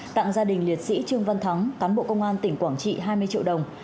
tặng gia đình liệt sĩ trương văn thắng cán bộ công an tỉnh quảng trị hai mươi triệu đồng